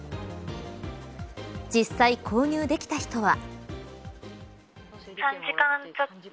実際、購入できた人は。